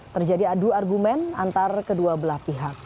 terjadi adu argumen antar kedua belah pihak